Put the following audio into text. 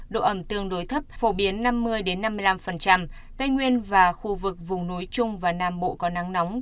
độ ẩm tương đối thấp phổ biến năm mươi năm mươi năm tây nguyên và khu vực vùng núi trung và nam bộ có nắng nóng